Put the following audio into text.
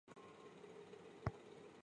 她与同为浙江选手的叶诗文是好友。